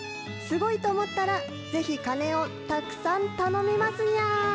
すごいと思ったら、ぜひ鐘をたくさん頼みますにゃー。